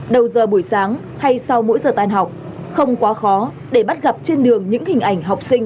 đầu giờ buổi sáng hay sau mỗi giờ tan học không quá khó để bắt gặp trên đường những hình ảnh học sinh